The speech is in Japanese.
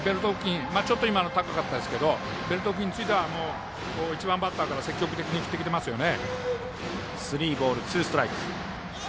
今のはちょっと高かったですがベルト付近については１番バッターから積極的に振ってきていますよね。